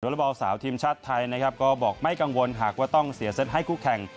บอลสาวทีมชาติไทยนะครับก็บอกไม่กังวลหากว่าต้องเสียเซตให้คู่แข่ง